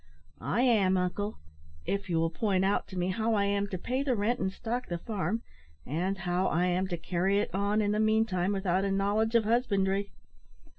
"I am, uncle; if you will point out to me how I am to pay the rent and stock the farm, and how I am to carry it on in the meantime without a knowledge of husbandry."